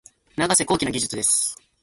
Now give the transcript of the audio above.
永瀬貴規の技術です。